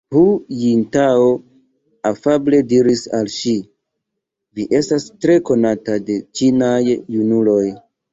Hu Jintao afable diris al ŝi: Vi estas tre konata de ĉinaj junuloj.